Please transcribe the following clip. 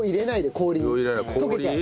氷溶けちゃう。